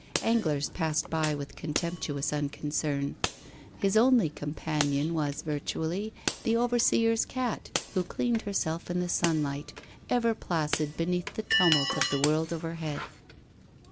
Anglers passed by with contemptuous unconcern. His only companion was virtually the overseer's cat, who cleaned herself in the sunlight, ever placid beneath the tumult of the world overhead.